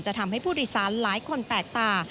จะทำให้พุทธิศาสตร์หลายคนแปลกตา